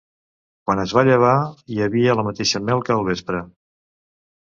Quan es va llevar, hi havia la mateixa mel que al vespre.